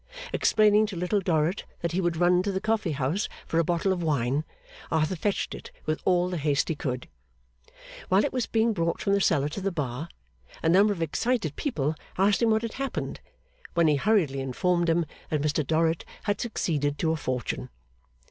Explaining to Little Dorrit that he would run to the coffee house for a bottle of wine, Arthur fetched it with all the haste he could use. While it was being brought from the cellar to the bar, a number of excited people asked him what had happened; when he hurriedly informed them that Mr Dorrit had succeeded to a fortune.